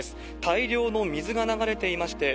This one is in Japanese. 大量の水が流れていまして、